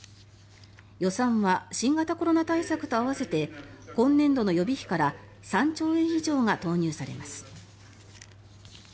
予算は新型コロナ対策と合わせて今年度の予備費から３兆円以上が投入されます。